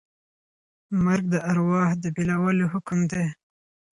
مرګ د ارواح د بېلولو حکم دی.